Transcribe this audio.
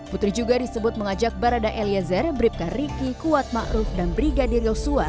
putri juga disebut mengajak barada eliazer yang beribkan ricky kuat ma'ruf dan brigadir yosua